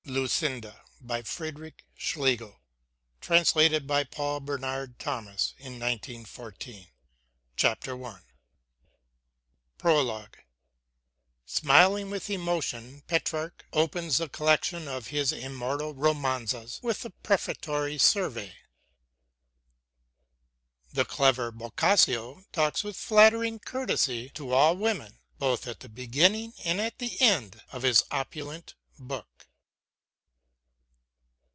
LUCINDA (1799) By FRIEDRICH SCHLEGEL TRANSLATED BY PAUL BERNARD THOMAS PROLOGUE Smiling with emotion Petrarch opens the collection of his immortal romanzas with a prefatory survey. The clever Boccaccio talks with flattering courtesy to all women, both at the beginning and at the end of his opulent book.